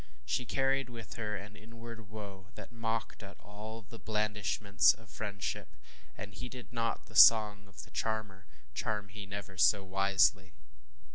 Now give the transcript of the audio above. She carried with her an inward woe that mocked at all the blandishments of friendship, and ŌĆ£heeded not the song of the charmer, charm he never so wisely.